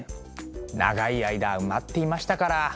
長い間埋まっていましたから。